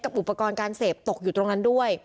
อุปกรณ์การเสพตกอยู่ตรงนั้นด้วย